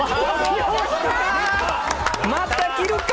また切るか！